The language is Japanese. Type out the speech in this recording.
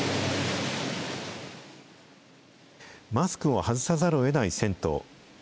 マスクを外さざるをえない銭湯。